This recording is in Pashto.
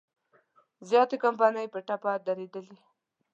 زیاتې کمپنۍ په ټپه درېدلي.